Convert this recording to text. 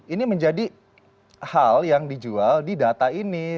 ini menjadi hal yang dijual di data ini